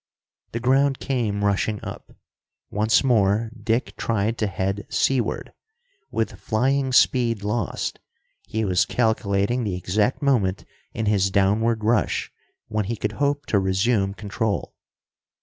The ground came rushing up. Once more Dick tried to head seaward. With flying speed lost, he was calculating the exact moment in his downward rush when he could hope to resume control.